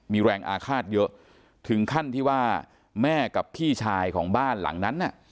มีแรงอาฆาตเยอะถึงขั้นที่ว่าแม่กับพี่ชายของบ้านหลังนั้นน่ะ